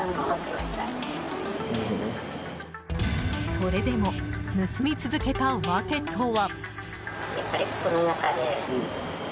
それでも盗み続けた訳とは？